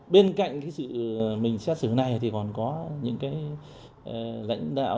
bên cạnh cái sự mình xét xử này thì còn có những cái lãnh đạo